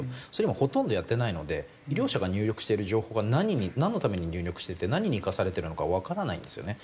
今ほとんどやってないので医療者が入力している情報が何になんのために入力してて何に生かされてるのかわからないんですよね。